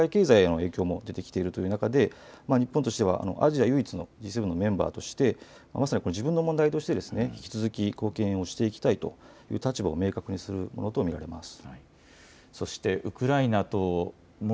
こうした中でも事態が長期化する中で、今は物価の高騰などで世界経済への影響も出てきているという中で日本としてはアジア唯一のＧ７のメンバーとしてまさに自分の問題として引き続き貢献をしていきたいという立場を明確にするものと見られます。